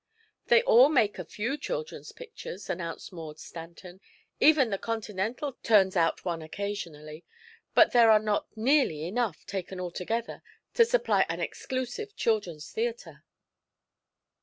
"They all make a few children's pictures," announced Maud Stanton. "Even the Continental turns out one occasionally. But there are not nearly enough, taken all together, to supply an exclusive children's theatre."